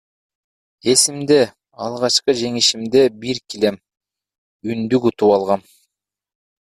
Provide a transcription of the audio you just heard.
Эсимде, алгачкы жеңишимде бир килем, үндүк утуп алгам.